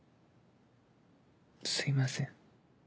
すいません。